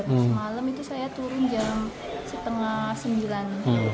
semalam itu saya turun jam setengah sembilan